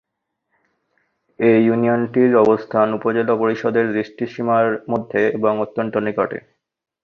এ ইউনিয়নটির অবস্থান উপজেলা পরিষদের দৃষ্টি সীমার মধ্যে এবং অত্যন্ত নিকটে।